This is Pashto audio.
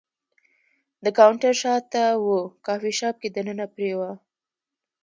د کاونټر شاته و، کافي شاپ کې دننه پر یوه.